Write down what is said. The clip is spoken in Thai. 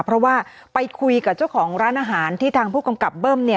เพราะว่าไปคุยกับเจ้าของร้านอาหารที่ทางผู้กำกับเบิ้มเนี่ย